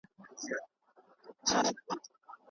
خپل نوم په لیست کي لوړ کړئ.